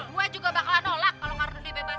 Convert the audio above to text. gua juga bakalan nolak kalau cardun dibebasin